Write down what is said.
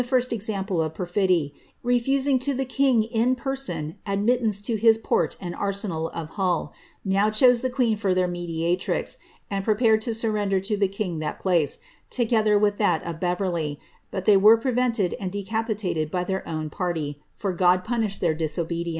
«t example of perfidy, in refusing to the king in person admittance to his l^trt and arsenal of Hull, now chose the queen for their mediatrix, and prepBre<l Ii3 furrender to the king that place, together with that of Beverley, but they were prevented, and decapitated by their own party, for God punished their disobe dien.